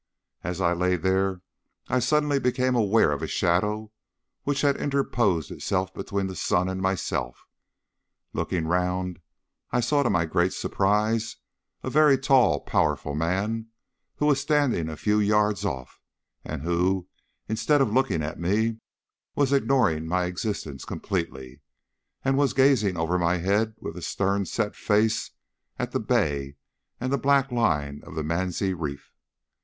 As I lay there I suddenly became aware of a shadow which interposed itself between the sun and myself. Looking round, I saw to my great surprise a very tall, powerful man, who was standing a few yards off, and who, instead of looking at me, was ignoring my existence completely, and was gazing over my head with a stern set face at the bay and the black line of the Mansie reef.